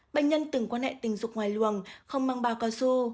bệnh nhân từng quan hệ tình dục ngoài luồng không mang bao cao su